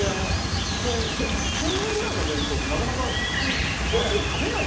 １０００円ぐらいの弁当ってなかなか普通街で食べないんだよ。